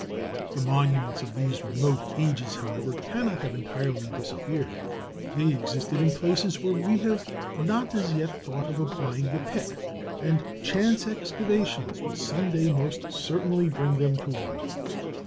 The monuments of these remote ages, however, cannot have entirely disappeared: they existed in places where we have not as yet thought of applying the pick, and chance excavations will some day most certainly bring them to light.